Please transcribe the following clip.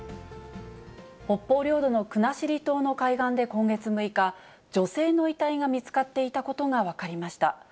北方領土の国後島の海岸で今月６日、女性の遺体が見つかっていたことが分かりました。